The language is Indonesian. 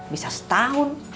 bisa setahun dua tahun